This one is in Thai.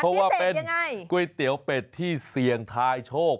เพราะว่าเป็นก๋วยเตี๋ยวเป็ดที่เสี่ยงทายโชค